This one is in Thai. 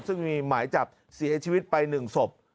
ซึ่งมีหมายจับเสียชีวิตไป๑ศพ